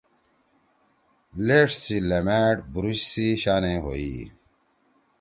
لیݜ سی لیمأڑ برش سی شانے ہوئی۔